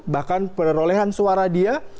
bahkan penerolehan suara dia